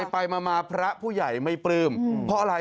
ไปมาพระผู้ใหญ่ไม่ปลื้มเพราะอะไร